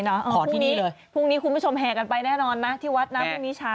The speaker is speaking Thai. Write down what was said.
อีกอันหนึ่งแต่เขาถามว่าได้เรียกมาไหมไม่ได้นะฮะ